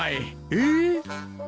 えっ！？